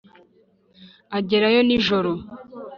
aragerayo nijoro